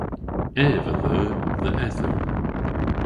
Ev a dheu dhe eth eur.